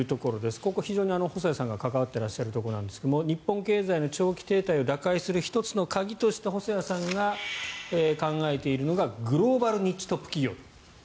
ここ、非常に細谷さんが関わっていらっしゃるところなんですが日本経済の停滞を打開する１つの鍵として細谷さんが考えているのがグローバルニッチトップ企業。